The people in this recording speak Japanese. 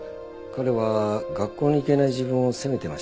彼は学校に行けない自分を責めてました。